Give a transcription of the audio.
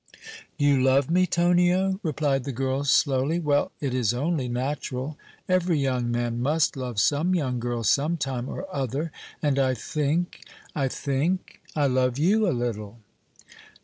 "You love me, Tonio?" replied the girl, slowly. "Well, it is only natural! Every young man must love some young girl some time or other, and I think I think I love you a little!"